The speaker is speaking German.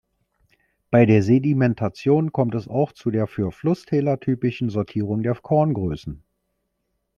Bei der Sedimentation kommt es auch zu der für Flusstäler typischen Sortierung der Korngrößen.